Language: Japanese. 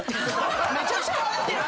めちゃくちゃ笑ってる！